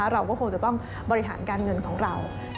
เราก็คงจะต้องบริหารการเงินของเรา